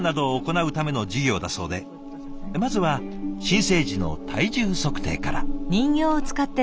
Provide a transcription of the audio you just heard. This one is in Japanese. まずは新生児の体重測定から。